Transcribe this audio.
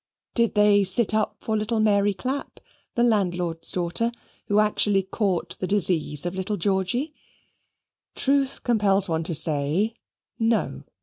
Did they sit up for little Mary Clapp, the landlord's daughter, who actually caught the disease of little Georgy? Truth compels one to say, no.